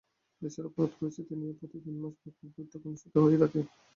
দেশের অপরাধ পরিস্থিতি নিয়ে প্রতি তিন মাস পরপর বৈঠক অনুষ্ঠিত হয়ে থাকে।